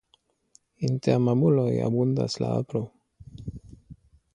Inter mamuloj abundas la apro.